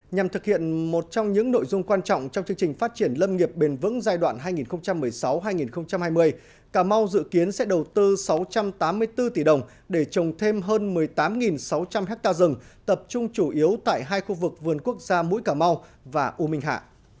nhằm thực hiện một trong những nội dung quan trọng trong chương trình phát triển lâm nghiệp bền vững giai đoạn hai nghìn một mươi sáu hai nghìn hai mươi cà mau dự kiến sẽ đầu tư sáu trăm tám mươi bốn tỷ đồng để trồng thêm hơn một mươi tám sáu trăm linh ha rừng tập trung chủ yếu tại hai khu vực vườn quốc gia mũi cà mau và u minh hạ